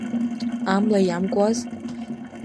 Амла иамкуаз!